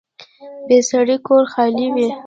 بې سړي کور خالي وي